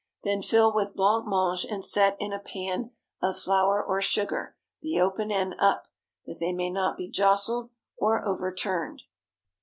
Then fill with blanc mange and set in a pan of flour or sugar—the open end up—that they may not be jostled or overturned.